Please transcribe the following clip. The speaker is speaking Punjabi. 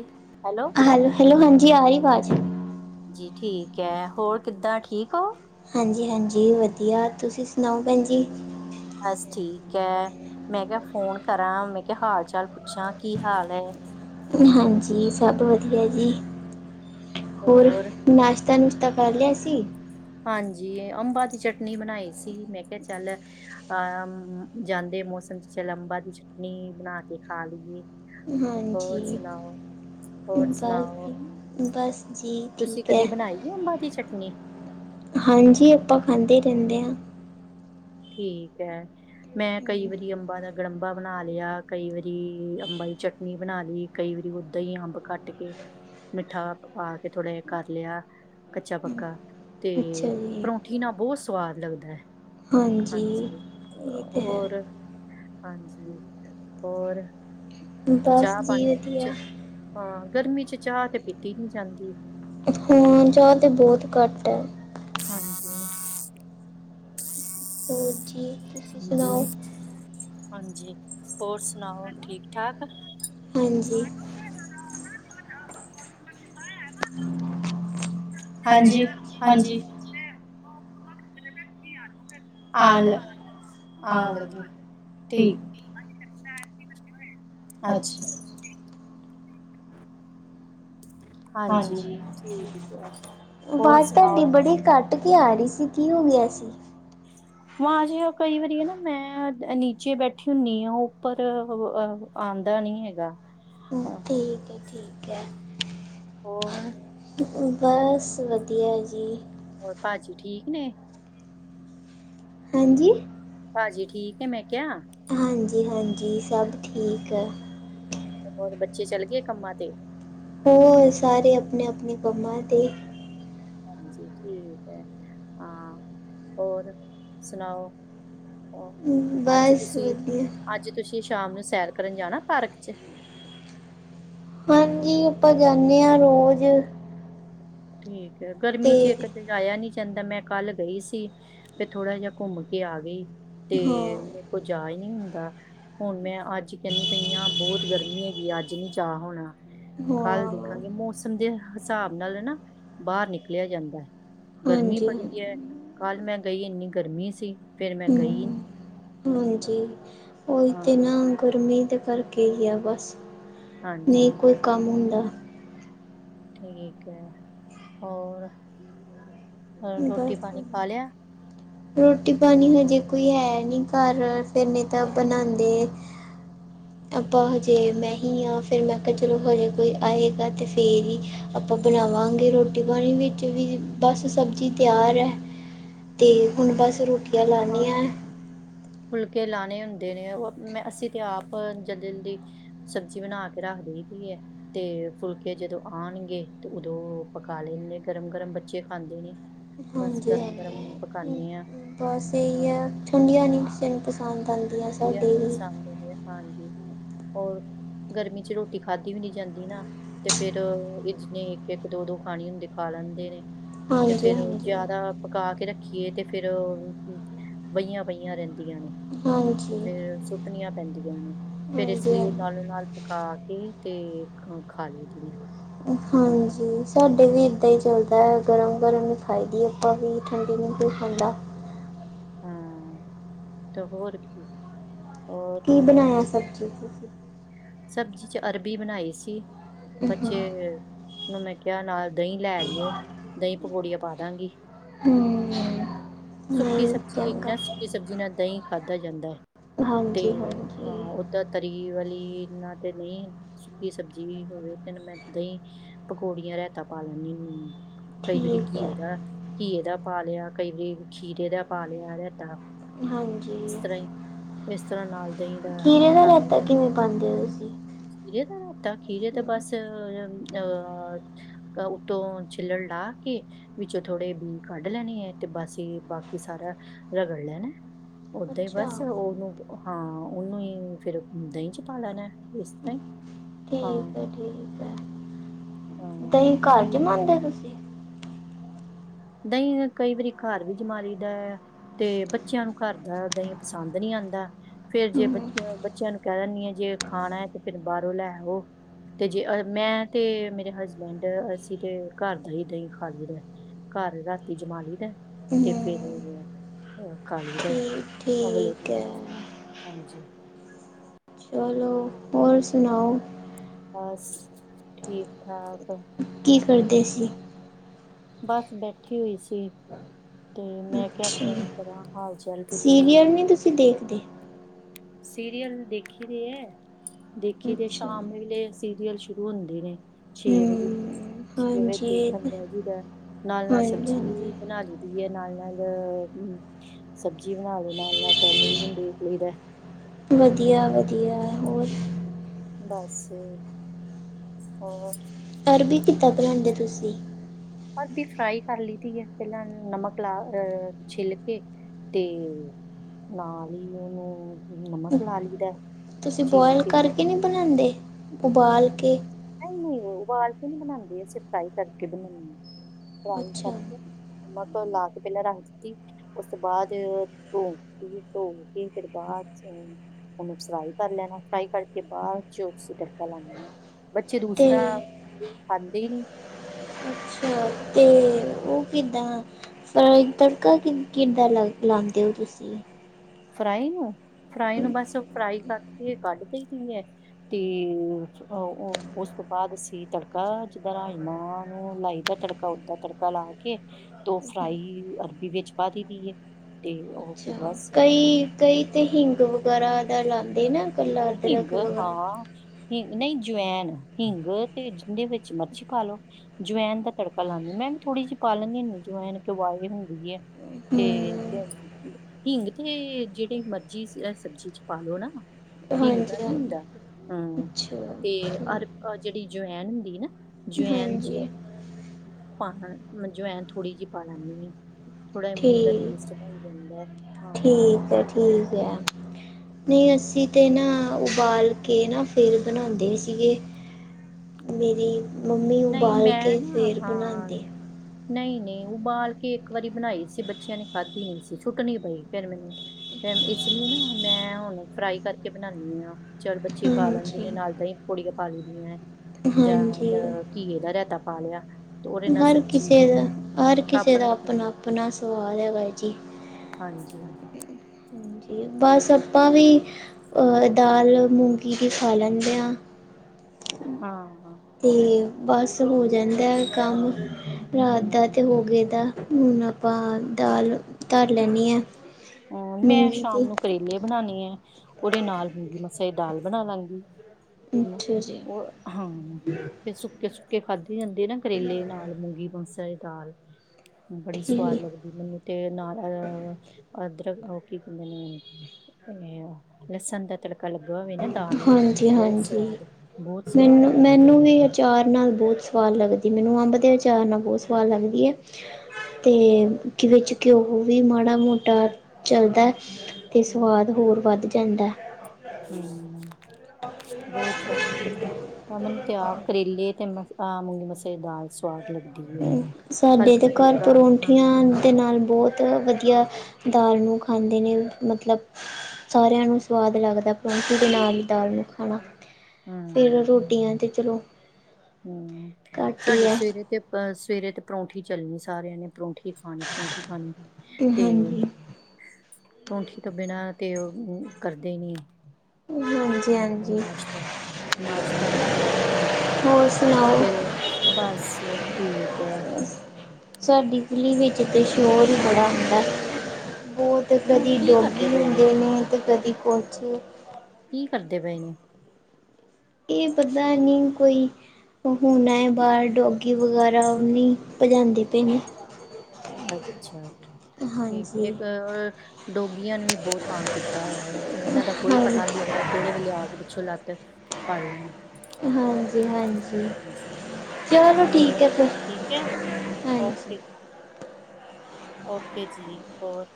ਹੈਲੋ ਹੈਲ, ਹੈਲੋ, ਹਾਂਜੀ ਆ ਰਹੀ ਅਵਾਜ਼। ਜੀ ਠੀਕ ਹੈ, ਹੋਰ ਕਿੱਦਾਂ ਠੀਕ ਓ? ਹਾਂਜੀ-ਹਾਂਜੀ, ਵਧੀਆ, ਤੁਸੀਂ ਸੁਣਾਓ ਭੈਣ ਜੀ? ਬਸ ਠੀਕ ਐ, ਮੈਂ ਕਿਹਾ ਫੋਨ ਕਰਾਂ, ਮੈਂ ਕਿਹਾ ਹਾਲ-ਚਾਲ ਪੁੱਛਾਂ, ਕੀ ਹਾਲ ਹੈ? ਹਾਂਜੀ, ਸਭ ਵਧੀਆ ਜੀ। ਹੋਰ? ਨਾਸ਼ਤਾ-ਨੂਸ਼ਤਾ ਕਰ ਲਿਆ ਸੀ? ਹਾਂਜੀ, ਅੰਬਾ ਦੀ ਚਟਨੀ ਬਣਾਈ ਸੀ, ਮੈਂ ਕਿਆ ਚੱਲ ਅਹਮ, ਜਾਂਦੇ ਮੌਸਮ'ਚ ਚਲ ਅੰਬਾ ਦੀ ਚਟਨੀ ਬਣਾਕੇ ਖਾਲੀਏ। ਹਾਂਜੀ, ਹੋਰ ਬਸ, ਸੁਣਾਓ ਬਸ ਜੀ। ਤੁਸੀਂ ਠੀਕ ਹੈ ਕਦੀ ਬਣਾਈ ਏ, ਅੰਬਾ ਦੀ ਚਟਨੀ? ਹਾਂਜੀ, ਆਪਾ ਖਾਂਦੇ ਈ ਰੈੰਦੇ ਆਂ। ਠੀਕ ਐ। ਮੈਂ ਕਈ ਵਾਰੀ ਅੰਬਾਂ ਦਾ ਗੜੰਬਾ ਬਣਾ ਲਿਆ, ਕਈ ਵਾਰੀ ਅੰਬਾ ਦੀ ਚਟਨੀ ਬਣਾਲੀ। ਕਈ ਵਾਰੀ ਓਦਾਂ ਈ, ਅੰਬ ਕੱਟਕੇ ਮਿੱਠਾ ਪਾਕੇ ਥੋੜਾ ਜਾ ਕਰ ਲਿਆ, ਕੱਚਾ-ਪੱਕਾ। ਅੱਛਾ ਤੇ, ਜੀ ਪਰੋਂਠੀ ਨਾ ਬੌਤ ਸਵਾਦ ਲੱਗਦੈ। ਹਾਂਜੀ, ਇਹ ਤਾਂ ਹੈ ਹੋਰ? ਹਾਂਜੀ, ਹੋਰ, ਬਸ ਜੀ ਚਾਹ-ਪਾਣੀ ਚ ਵਧੀਆ ਹਾਂ, ਗਰਮੀ'ਚ ਚਾ ਤੇ ਪੀਤੀ ਨੀ ਜਾਂਦੀ। ਹਾਂ, ਚਾ ਤੇ ਬੌਤ ਘੱਟ ਐ। ਹਾਂਜੀ। ਹੋਰ ਠੀਕ ਹਂਜੀ, ਹਾਂਜੀ, ਹੋਰ ਸੁਣਾਓ ਠੀਕ-ਠਾਕ? ਹਾਂਜੀ। ਹਾਂਜੀ, ਹਾਂਜੀ। ਆਨ ਲ, ਆਣ ਲੱਗੀ, ਠੀਕ। ਅੱਛਾ। ਹਾਂਜੀ, ਹੋਰ ਵਾਜ਼ ਤਾਡੀ ਸੁਣਾਓ ਬੜੀ ਘੱਟ ਕੱਟ ਕੇ ਆ ਰੀ ਸੀ, ਕੀ ਹੋ ਗਿਆ ਸੀ? ਮਹਾ ਚਲੋ ਕਈ ਵਾਰੀ ਐ ਨਾ ਮੈਂ ਨੀਚੇ ਬੈਠੀ ਹੁਨੀ ਆਂ, ਉੱਪਰ ਅ ਆਉਦਾ ਨੀ ਹੈਗਾ। ਹਾਂ, ਠੀਕ ਏ, ਠੀਕ ਐ। ਹੋਰ? ਬਸ, ਵਧੀਆ ਜੀ। ਹੋਰ, ਭਾਜੀ ਠੀਕ ਨੇ? ਹਾਂਜੀ। ਭਾਜੀ ਠੀਕ ਏ ਮੈਂ ਕਿਆ? ਹਾਂਜੀ ਹਾਂਜੀ, ਸਭ ਠੀਕ ਐ ਔਰ ਬੱਚੇ ਚੱਲਗੇ ਕੰਮਾਂ ਤੇ? ਹੋਰ ਸਾਰੇ ਅਪਣੇ-ਅਪਣੇ ਕੰਮਾਂ ਤੇ। ਹਾਂਜੀ, ਠੀਕ ਐ ਹਾਂ, ਹੋਰ ਸੁਣਾਓ? ਹੋਰ, [inaudible] ਅੱਜ ਬਸ ਤੁਸੀਂ, ਵਧੀਆ ਅੱਜ ਤੁਸੀ਼ ਸ਼ਾਮ ਨੂੰ ਸੈਰ ਕਰਨ ਜਾਣਾ ਪਾਰਕ ਚ? ਹਾਂਜੀ, ਆਪਾਂ ਜਾਂਨੇ ਆਂ ਰੋਜ਼। ਠੀਕ ਐ, ਤੇ ਗਰਮੀ ਚ ਇਕ ਤੇ ਜਾਇਆ ਨੀ ਜਾਂਦਾ ਮੈਂ ਕੱਲ ਗਈ ਸੀ, ਫੇਰ ਥੋੜਾ ਜਾ ਘੁੰਮ ਕੇ ਆ ਗਈ। ਤੇ ਹਾਂ ਮੇਰੇ ਕੋਲ ਜਾ ਈ ਨੀ ਹੁੰਦਾ। ਹੁਣ, ਮੈਂ ਅੱਜ ਕੈੰਦੀ ਪਈ ਆਂ ਬੌਤ ਗਰਮੀ ਹੈਗੀ ਏ ਅੱਜ ਨੀ ਜਾ ਹੋਣਾ। ਕੱਲ੍ਹ ਹਾਂ ਦੇਖਾਂਗੇ, ਮੌਸਮ ਦੇ ਹਸਾਬ ਨਾਲ ਹਨਾ ਬਾਰ ਨਿਕਲਿਆ ਜਾਂਦਾ, ਗਰਮੀ ਹਾਂਜੀ ਬੜੀ ਹਾਂ ਐ। ਕੱਲ੍ਹ ਮੈਂ ਗਈ ਇੰਨੀ ਗਰਮੀ ਸੀ, ਫੇਰ ਮੈਂ ਗਈ ਹਮ, ਹਾਂਜੀ, ਓਈ ਹਾਂ ਤੇ ਨਾ ਗਰਮੀ ਦੇ ਕਰਕੇ ਈ ਐ ਬਸ। ਨੀ ਹਾਂਜੀ ਕੋਈ ਕੰਮ ਹੁੰਦਾ। ਠੀਕ ਐ, ਹੋਰ? ਹੋਰ ਹੈਗਾ ਰੋਟੀ ਪਾਣੀ ਖਾ ਲਿਆ ਰੋਟੀ ਪਾਣੀ ਹਜੇ ਕੋਈ ਹੈ ਨੀ ਘਰ ਫਿਰ ਨਈ ਤਾਂ ਬਣਾਦੇ। ਆਪਾਂ ਹਜੇ ਮੈਂ ਹੀ ਆ ਫਿਰ ਮੈਂ ਕਿਹਾ ਚਲੋ ਹਜੇ ਕੋਈ ਆਏਗਾ ਤਾਂ ਫਿਰ ਈ ਆਪਾਂ ਬਣਾਵਾਂਗੇ ਰੋਟੀ ਪਾਣੀ ਵਿੱਚ ਵੀ ਬਸ ਸਬਜੀ ਸਬਜ਼ੀ ਤਿਆਰ ਐ ਅਤੇ ਹੁਣ ਬਸ ਰੋਟੀਆਂ ਲਾਨੇ ਹਾਂ ਆ। ਫੁਲਕੇ ਲਾਣੇ ਹੁੰਦੇ ਨੇ ਉਹ ਮੈਂ ਅਸੀਂ ਤਾਂ ਆਪ ਜਲਦੀ ਜਲਦੀ। ਸਬਜ਼ੀ ਬਣਾ ਕੇ ਰੱਖ ਦਈ ਦੀ ਆ। ਤੇ ਫੁਲਕੇ ਜਦੋਂ ਆਣਗੇ ਤੇ ਉਦੋਂ ਪਕਾ ਲੈਂਦੇ ਗਰਮ ਗਰਮ ਬੱਚੇ ਖਾਂਦੇ ਨੇ। ਬਸ ਹਾਂਜੀ ਗਰਮ ਗਰਮ ਹਾਂ, ਪਕਾਨੇ ਆ ਬਸ ਇਹੀ ਹਾਂ ਐ ਹਾਂ ਠੰਡੀਆਂ ਨੀ ਕਿਸੇ ਨੇ ਪਸੰਦ ਆਦੀ ਆ ਠੰਡੀਆਂ ਸਾਡੇ ਨੀ ਵੀ। ਪਸੰਦ ਹੈਗੀਆਂ ਹਾਂਜੀ। ਹੋਰ [inaudible] ਗਰਮੀ ਚ ਰੋਟੀ ਖਾਧੀ ਵੀ ਨੀ ਜਾਂਦੀ ਨਾ। ਤੇ ਫੇਰ ਜਿਨੇ ਇੱਕ ਇੱਕ ਦੋ ਦੋ ਖਾਣੀ ਹੁੰਦੀ ਖਾ ਲੈਂਦੇ ਨੇ। ਤੇ ਹਾਂਜੀ ਫੇਰ ਹਾਂਜੀ ਜ਼ਿਆਦਾ ਪਕਾ ਕੇ ਰੱਖੀਏ ਤੇ ਫੇਰ ਬਹੀਆਂ ਪਈਆਂ ਰਹਿੰਦੀਆਂ ਨੇ। ਹਾਂਜੀ। ਤੇ ਫੇਰ ਸੁੱਟਣੀਆਂ ਪੈਂਦੀਆਂ ਨੇ, ਫੇਰ ਇਸ ਹਾਂਜੀ ਲਈ ਉਹ ਹਾਂਜੀ ਨਾਲੋਂ ਨਾਲ। ਪਕਾ ਕੇ ਤੇ ਖਾ ਲਈਦੀਆਂ। ਹਾਂਜੀ। ਸਾਡੇ ਵੀ ਇੱਦਾਂ ਹੀ ਚੱਲਦਾ ਐ ਗਰਮ-ਗਰਮ ਈ ਖਾਈ ਦੀ ਆਪਾਂ ਵੀ, ਠੰਡੀ ਨੀ ਕੋਈ ਖਾਂਦਾ। ਹਂ ਤੇ ਹੋਰ ਕੀ। ਹੋਰ? ਕੀ ਬਣਾਇਆ ਸਬਜ਼ੀ ਚ ਤੁਸੀ। ਸਬਜ਼ੀ ਚ ਅਰਬੀ ਬਣਾਈ ਸੀ ਹੂੰ ਬੱਚੇ ਨੂੰ ਮੈਂ ਕਿਆ ਨਾਲ ਦਹੀਂ ਲੈਈਓ, ਦਹੀਂ ਪਕੌੜੀਆਂ ਪਾ ਦਾਂਗੀ। ਸੁੱਕੀ ਨਹੀਂ ਸਬਜ਼ੀ ਹੈਗੀ ਚੰਗਾ ਨਾ ਸੁੱਕੀ ਸਬਜ਼ੀ ਨਾ ਦਹੀਂ ਖਾਧਾ ਜਾਂਦਾ ਐ। ਤੇ ਹਾਂਜੀ ਹਾਂਜੀ ਹਾਂ ਓਦਾਂ ਤਰੀ ਵਾਲੀ ਇਨ੍ਹਾਂ ਤੇ ਨਈਂ। ਸੁੱਕੀ ਸਬਜ਼ੀ ਵੀ ਹੋਵੇ ਤੈਨੂੰ ਮੈਂ ਦਈਂ ਪਕੌੜੀਆਂ ਰੈਤਾ ਪਾ ਲੈਂਣੀ ਹੁਣੀ ਆ। ਕਈ ਵਾਰੀ ਠੀਕ ਹੈ ਘੀਏ ਦਾ, ਘੀਏ ਦਾ ਪਾ ਲਿਆ ਕਈ ਵਾਰੀ ਖੀਰੇ ਦਾ ਪਾ ਲਿਆ ਰੈਤਾ। ਹਾਂਜੀ, ਤਰ੍ਹਾਂ ਨਾਲ ਦਹੀਂ ਦਾ ਖੀਰੇ ਦਾ ਪਾ ਰੈਤਾ ਲਈਦਾ ਕਿਵੇਂ ਪਾਂਦੇ ਓ ਤੁਸੀਂ? ਖੀਰੇ ਦਾ ਰੈਤਾ ਖੀਰੇ ਤੇ ਬਸ ਅਹ ਅ ਉੱਤੋਂ ਛਿੱਲਡ ਲਾਅ ਕੇ। ਵਿੱਚੋਂ ਥੋੜੇ ਬੀ ਕੱਢ ਲੈਣੇ ਐਂ ਤੇ ਬਸ ਬਾਕੀ ਸਾਰਾ ਰਗੜ ਲੈਣਾ। ਓਦਾਂ ਈ ਅੱਛਾ ਬਸ ਉਨੂੰ ਹਾਂ, ਉਨੂੰ ਹੀ ਫੇਰ ਦਈਂ ਚ ਪਾ ਲੈਣਾ। ਇਸ ਤਾਂ ਈ, ਹਾਂ। ਹਾਂ ਦਈਂ ਘਰ ਕੀ ਜਮਾਂਦੇ ਤੁਸੀਂ। ਦਈਂ ਨਾਂ ਕਈ ਵਾਰੀ ਘਰ ਵੀ ਜਮਾਂ ਲਈ ਦਾ ਐ। ਤੇ ਬੱਚਿਆਂ ਨੂੰ ਘਰ ਦਾ ਦਈਂ ਪਸੰਦ ਨ੍ਹੀਂ ਆਂਦਾ। ਫੇਰ ਜੇ ਹੂੰ ਬੱਚਿਆਂ ਨੂੰ, ਬੱਚਿਆਂ ਨੂੰ ਕੈਅ ਦਿੰਣੀ ਆਂ ਜੇ ਖਾਣਾ ਐ ਤੇ ਫੇਰ ਬਾਰੋਂ ਲੈਵੋ। ਤੇ ਜੇ ਮੈਂ ਤੇ ਮੇਰੇ ਹਸਬੈਂਡ ਅਸੀਂ ਤੇ ਘਰ ਦਾ ਈ ਦਈਂ ਖਾ ਲਈਦਾ। ਘਰ ਰਾਤੀ ਜਮਾਂ ਲਈ ਦਾ ਤੇ ਫੇਰ ਔਹ ਖਾ ਲਈ ਦਾ। ਠੀਕ ਠੀਕ ਐ। ਹਾਂਜੀ। ਚਲੋ। ਹੋਰ ਸੁਣਾਓ। ਬਸ ਠੀਕ-ਠਾਕ। ਕੀ ਕਰਦੇ ਸੀ। ਬਸ ਬੈਠੀ ਹੋਈ ਸੀ ਤੇ ਮੈਂ ਕਿਆ ਅੱਛਾ ਫੋਨ ਕਰਾਂ, ਹਾਲ-ਚਾਲ। ਸੀਰੀਅਲ ਨ੍ਹੀਂ ਤੁਸੀਂ ਦੇਖਦੇ। ਸੀਰੀਅਲ ਦੇਖੀ ਦੇ ਐ, ਦੇਖੀ ਦੇ ਅੱਛਾ ਸ਼ਾਮ ਵੇਲੇ ਸੀਰੀਅਲ ਸ਼ੁਰੂ ਹੁੰਦੇ ਨੇ। ਛੇ ਵਜੇ, ਹਮ ਛੇ ਵਜੇ ਹਾਂਜੀ ਇਹ ਦੇਖਣ ਤਾਂ ਬੈਅ ਜੀਦਾ, ਨਾਲ-ਨਾਲ ਹਾਂਜੀ ਸਬਜ਼ੀ ਵੀ ਹਾਂਜੀ ਬਣਾ ਲਈ। ਦੀ ਐ ਨਾਲ-ਨਾਲ ਹਂ, ਸਬਜ਼ੀ ਬਣਾ ਲੀ, ਨਾਲ-ਨਾਲ ਟੈਲੀਵਿਜਣ ਦੇਖ ਲਾਈਦੇ। ਵਧੀਆ ਵਧੀਆ, ਹੋਰ? ਬੱਸ। ਹੋਰ? ਅਰਬੀ ਕਿੱਦਾਂ ਬਣਾਂਦੇ ਤੁਸੀਂ? ਅਰਬੀ ਫਰਾਈ ਕਰ ਲੀ ਦੀਏ, ਪਹਿਲਾਂ ਨਮਕ ਲਾ ਅ ਛਿੱਲ ਕੇ। ਤੇ ਨਾਲ ਈ ਉਹਨੂੰ ਨਮਕ ਲਾ ਲਈਦਾ ਚੀਰ ਕੇ। ਕਿਵੇਂ ਬਣਾਂਦੇ ਉਬਾਲ ਕੇ। ਨਈਂ ਨਈਂ, ਉਬਾਲ ਕੇ ਨ੍ਹੀਂ ਬਣਾਂਉਦੇ ਅਸੀਂ ਫਰਾਈ ਕਰਕੇ ਬਣਾਉਣੇ ਆ, ਫਰਾਈ ਅੱਛਾ ਕਰਕੇ। ਨਮਕ ਲਾ ਕੇ ਪਹਿਲਾਂ ਰੱਖ ਦਿੱਤੀ। ਉਸ ਤੋਂ ਬਾਅਦ ਧੋ ਕੇ ਧੋ ਕੇ ਫਿਰ ਬਾਅਦ 'ਚ ਉਹਨੂੰ ਫਰਾਈ ਕਰ ਲੈਣਾ, ਫਰਾਈ ਕਰਕੇ ਬਾਅਦ ਚ ਅਸੀਂ ਤੜਕਾ ਲਾਉਦੇ ਹਾਂ। ਬੱਚੇ ਤੇ ਦੂਸਰਾ ਫਰੂਟ ਖਾਂਦੇ ਹੀ ਨਹੀਂ? ਅੱਛਾ ਕੇ ਉਹ ਕਿੰਦਾਂ ਫਿਰ ਤੜਕਾ ਕਿੰਦਾ ਲਾਉਂਦੇ ਹੋ ਤੁਸੀਂ। ਫਰਾਈ ਨੂੰ ਫਰਾਈ ਨੂੰ ਬਸ ਫਰਾਈ ਕਰਕੇ ਕੱਢ ਦੇਈ ਦੀ ਹੈ। ਤੇ ਉਹ ਉਸ ਤੋਂ ਬਾਅਦ ਅਸੀਂ ਤੜਕਾ ਜਿੱਦਾਂ ਰਾਜਮਾਂ ਨੂੰ ਲਾਈਦਾ, ਤੜ ਤੜਕਾ ਲਾ ਕੇ ਤੋਂ ਫਰਾਈ ਅਰਬੀ ਵਿਚ ਪਾ ਦਈਦੀ ਏ। ਤੇ ਉਹ ਬਸ ਨਹੀਂ ਕਈ ਤੇ ਹਿੰਗ ਵਗੈਰਾ ਦਾ ਲਾਉਂਦੇ ਨਾ। ਇਕੱਲਾ [unintelligible] ਹਿੰਗ ਅਦਰਕ ਵਗੈਰਾ ਹਾਂ। ਹਿੰਗ, ਨਹੀਂ ਜਵੈਨ, ਹਿੰਗ ਤੇ ਜਿੰਦੇ ਵਿੱਚ ਮਰਜ਼ੀ ਪਾ ਲਓ। ਜਵੈਨ ਦਾ ਤੜਕਾ ਲਾਂਦੀ ਮੈਂਨਾ ਥੋੜੀ ਜਿਹੀ ਪਾ ਲੈਂਦੀ ਹੁੰਦੀ ਜਵੈਨ ਕਿਉਂ ਵਾਇਲ ਹੁੰਦੀ ਹੈ। ਤੇ ਹਮ ਹਿੰਗ ਤੇ ਜਿਹੜੀ ਮਰਜ਼ੀ ਸਬਜ਼ੀ 'ਚ ਪਾ ਲਓ ਨਾ। ਹਿੰਗ ਹਾਂਜੀ ਦਾ ਨੀ ਹਾਂਜੀ ਹੁੰਦਾ ਹੂੰ ਅੱਛਾ ਅਤੇ ਠੀਕ ਅਰਬ ਅ ਜਿਹੜੀ ਜਵੈਨ ਹੁੰਦੀ ਨਾ, ਜਵੈਨ 'ਚ ਹਾਂਜੀ ਪਾਣਾ ਜਵੇਨ ਥੋੜੀ ਜਿਹੀ ਪਾ ਲੈਂਦੀ ਆ, ਥੋੜ੍ਹਾ ਮੂੰਹ ਦਾ ਠੀਕ ਟੇਸਟ? ਬਾਈ ਬੰਦਾ ਠੀਕ ਹੈ, ਠੀਕ ਹੈ। ਨਹੀਂ, ਅਸੀਂ ਤੇ ਨਾ ਉਬਾਲ ਕੇ ਨਾ ਫਿਰ ਬਣਾਉਂਦੇ ਸੀਗੇ। ਮੇਰੇ ਮੰਮੀ ਨਹੀਂ ਉਬਾਲ ਮੈਂ ਕੇ ਨਾ ਫਿਰ ਹਾਂ ਬਣਾਉਂਦੇ। ਨਹੀਂ ਨਹੀਂ, ਉਬਾਲ ਕੇ ਇੱਕ ਵਾਰੀ ਬਣਾਈ ਸੀ। ਬੱਚਿਆਂ ਨੇ ਖਾਧੀ ਨਹੀਂ, ਸੀ ਸੁੱਟਨੀ ਪਈ ਫਿਰ ਮੈਨੂੰ। ਫਿਰ ਇਸ ਲਈ ਨਾ ਮੈਂ ਹੁਣ ਫਰਾਈ ਕਰਕੇ ਬਣਾਉਂਦੀ ਹਾਂ। ਚੱਲ, ਬੱੱਚੇ ਖਾ ਲੈਂਦੇ ਹਾਂਜੀ ਨੇ, ਨਾਲ ਦਹੀਂ ਪਕੌੜਿਆ ਪਾ ਲਈਦੀਆਂ ਹੈ। ਜਾਂ ਹਾਂਜੀ, ਅ, ਘੀਏ ਦਾ ਰਾਇਤਾ ਪਾ ਲਿਆ ਤੇ ਉਹਦੇ ਨਾਲ ਹਰ ਕਿਸੇ ਸਬਜ਼ੀ ਦਾ, ਹਰ ਕਿਸੇ ਦਾ ਆਪਣਾ ਆਪਣਾ ਸਵਾਲ ਹੈਗਾ ਜੀ। ਹਾਂਜੀ ਬਸ, ਆਪਾਂ ਵੀ ਦਾਲ ਮੂੰਗੀ ਦੀ ਖਾ ਲੈਂਦੇ ਹਾਂ। ਹਾਂ ਹਾਂ ਤੇ ਬਸ ਹੋ ਜਾਂਦਾ ਕੰਮ, ਰਾਤ ਹਮ ਦਾ ਤੇ ਹੋ ਗਏ ਦਾ ਹੁਣ ਆਪਾਂ ਦਾਲ ਧਰ ਲੈਂਨੀ ਆ। ਹੂੰ ਮੈਂ ਮੂੰਗੀ ਦੀ ਸ਼ਾਮ ਨੂੰ ਕਰੇਲੇ ਬਣਾਨੇ ਹੈ, ਉਹਦੇ ਨਾਲ ਮੂੰਗੀ ਮਸਰ ਦੀ ਦਾਲ ਬਣਾ ਲਾਂਗੀ। [unintelligible] ਅੱਛਾ ਜੀ ਉਹ ਹਾਂ ਫਿਰ ਸੁ ਸੁੱਕੇ ਸੁੱਕੇ ਖਾਧੀ ਜਾਂਦੇ ਨਾ, ਕਰੇਲੇ ਨਾਲ ਮੂੰਗੀ ਮਸਰ ਦੀ ਦਾਲ। ਬੜੀ ਸਵਾਦ ਠੀਕ ਲੱਗਦੀ ਮੈਨੂੰ ਤੇ ਨਾਲ ਅਦਰਕ, ਲੋਕੀ [unintelligible] ਲਸਨ ਦਾ ਤੜਕਾ। ਕਾ ਲੱਗਾ ਹੋਵੇ ਨਾ ਦਾਲ ਨੂੰ, ਹਾਂਜੀ ਬਹੁਤ ਹਾਂਜੀ ਸਵਾਦ, ਬਹੁਤ ਸਵਦ, ਮੈਨੂੰ ਬਣਦੀ ਮੈਨੂੰ ਘਰੇ। ਵੀ ਅਚਾਰ ਨਾਲ ਬਹੁਤ ਸਵਾਦ ਲੱਗਦੀ ਮੈਨੂੰ, ਅੰਬ ਦੇ ਅਚਾਰ ਨਾਲ ਬਹੁਤ ਸਵਾਦ ਲੱਗਦੀ ਹੈ। ਤੇ ਕਿਵੇਂ ਘਿਓ ਵੀ ਮਾੜਾ ਮੋਟਾ ਚੱਲਦਾ ਹੈ। ਤੇ ਸਵਾਦ ਹੋਰ ਵੱਧ ਜਾਂਦਾ। ਹੂੰ ਬਹੁਤ [unintelligible] ਮੈਨੂੰ ਤੇ ਆਪ ਕਰੇਲੇ ਤੇ ਮੂੰਗੀ ਮਸਰ ਦੀ ਦਾਲ ਸਵਾਦ ਲੱਗਦੀ ਹੈ ਸਾਡੇ ਤੇ ਹਲਕਾ ਘਰ ਫੁਲਕਾ ਹਾਂ ਪਰੋਂਠੀਆਂ ਦੇ ਨਾਲ ਬਹੁਤ। ਵਧੀਆ ਦਾਲ ਨੂੰ ਖਾਂਦੇ ਨੇ ਮਤਲਬ ਸਾਰਿਆਂ ਨੂੰ ਸਵਾਦ ਲੱਗਦਾ ਪਰੌਠੀ ਦੇ ਨਾਲ ਦਾਲ ਨੂੰ ਖਾਣਾ। ਫਿਰ ਰੋਟੀਆਂ ਤੇ ਚਲੋ ਹੂੰ ਘੱਟ ਹੀ ਸਾਡੇ ਹੈ ਸਵੇਰੇ ਤੇ ਅ ਸਵੇਰੇ ਤੇ ਪਰੌਂਠੀ ਚੱਲਣੀ ਸਾਰਿਆਂ ਨੇ। ਪਰੌਂਠੀ ਖਾਣੀ ਪਰੌਂਠੀ ਖਣੀ ਤੇ ਹਾਂਜੀ ਪਰੋਂਠੀ ਤੋਂ ਬਿਨਾਂ ਤੇ ਉਹ ਕਰਦੇ ਹੀ ਨੀ। ਹਾਂਜੀ ਹੂੰ ਹਾਂਜੀ ਨਾਸ਼ਤਾ -ਨਾਸ਼ਤਾ ਕਰਨਾ ਹੀ ਪਰੋਂਠੀ ਦਾ ਈ, ਹੋਰ ਸੁਣਾਓ ਫਿਰ ਬਸ ਠੀਕ ਐ। ਸਾਡੀ ਦਿੱਲੀ ਵਿੱਚ ਤਾਂ ਸ਼ੋਰ ਹੀ ਬੜਾ ਹੁੰਦਾ। ਬੋਤ ਤੇ ਕਿਉਂ ਕਦੀ ਕੀ ਡੋਗੀ ਕਰਦੇ ਪਏ ਹੁੰਦੇ ਨੇ ਤੇ ਕਦੀ ਕੀ ਕੁਛ ਕੀ ਕਰਦੇ ਪਏ ਨੇ? ਇਹ ਪਤਾ ਨਹੀਂ ਕੋਈ ਹੁਣ ਇਹ ਬਾਹਰ ਡੋਗੀ ਵਗੈਰਾ ਵੀ ਨੀ ਭਜਾਦੇ ਪਏ ਨੇ। ਅੱਛਾ, ਠੀਕ ਹਾਂਜੀ ਇੱਕ ਡੋਗੀਆਂ ਨੇ ਵੀ ਬਹੁਤ ਤੰਗ ਕੀਤਾ ਹੋਇਆ ਏ ਇਹਨਾਂ ਦਾ ਕੋਈ ਹਾਂਜੀ ਪਤਾ ਨੀ ਲੱਗਦਾ ਕਿਹੜੇ ਵੇਲੇ ਆ ਕੇ ਪਿਛੋਂ ਲੱਤ ਫਾੜ ਲੈਣ। ਹਾਂਜੀ ਹਾਂਜੀ ਹਾਂਜੀ ਚਲੋ ਹੋਰ ਠੀਕ ਹੈ ਫੇਰ। ਠੀਕ ਹੈ, ਓਕੇ ਓਕੇ ਜੀ ਹੋਰ